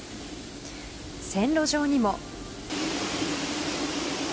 線路上にも。